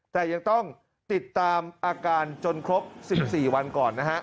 แต่ยังต้องติดตามอาการจนครบ๑๔วันก่อนนะฮะ